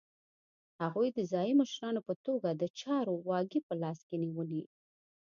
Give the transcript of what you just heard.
هغوی د ځايي مشرانو په توګه د چارو واګې په لاس کې نیولې.